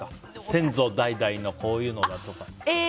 先祖代々のこういうのがとか。